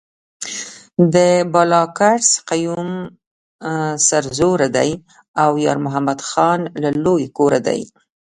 د بالاکرز قیوم سرزوره دی او یارمحمد خان له لوی کوره دی.